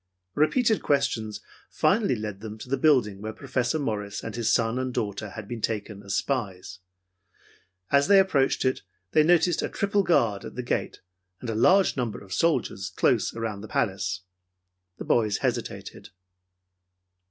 Repeated questions finally led them to the building where Professor Morris and his son and daughter had been taken as spies. As they approached it, they noticed a triple guard at the gate and a large number of soldiers close around the palace. The boys hesitated.